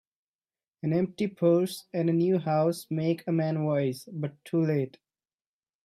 An empty purse, and a new house, make a man wise, but too late